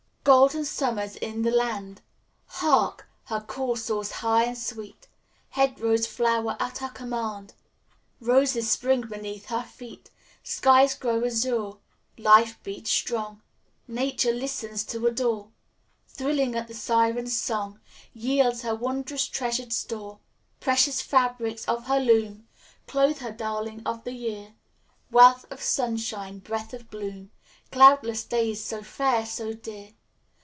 "Golden Summer's in the land! Hark! Her call soars high and sweet. Hedge rows flow'r at her command; Roses spring beneath her feet. Skies grow azure; life beats strong; Nature listens to adore; Thrilling at the siren's song, Yields her wond'rous treasured store. Precious fabrics of her loom Clothe her darling of the year; Wealth of sunshine; breath of bloom; Cloudless days, so fair, so dear.